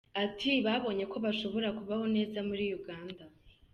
Ati “Babonye ko bashobora kubaho neza muri Uganda.